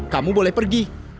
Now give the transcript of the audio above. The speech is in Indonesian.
kamu boleh pergi